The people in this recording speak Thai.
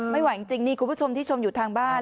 ไม่ไหวจริงนี่คุณผู้ชมที่ชมอยู่ทางบ้าน